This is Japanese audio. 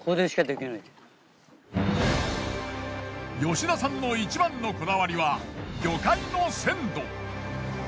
吉田さんのいちばんのこだわりは魚介の鮮度。